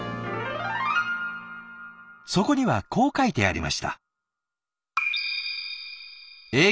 そこにはこう書いてありました。